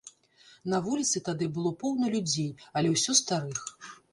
На вуліцы тады было поўна людзей, але ўсё старых.